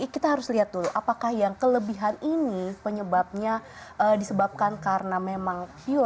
kita harus lihat dulu apakah yang kelebihan ini penyebabnya disebabkan karena memang view